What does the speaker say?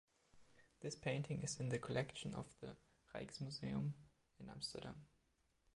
This painting is in the collection of the Rijksmuseum in Amsterdam.